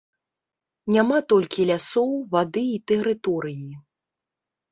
Няма толькі лясоў, вады і тэрыторыі.